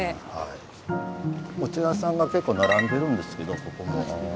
お茶屋さんが結構並んでるんですけどここも。